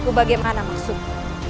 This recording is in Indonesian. aku bagaimana maksudmu